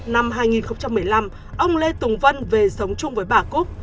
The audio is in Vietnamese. năm hai nghìn một mươi năm ông lê tùng vân về sống chung với bà cúc